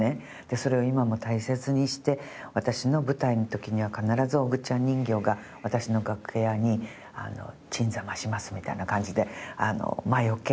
それを今も大切にして私の舞台の時には必ずＯＧＵちゃん人形が私の楽屋に鎮座ましますみたいな感じで魔よけ？